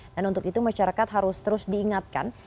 dan untuk itu masyarakat harus terus diingatkan